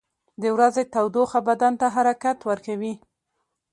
• د ورځې تودوخه بدن ته حرکت ورکوي.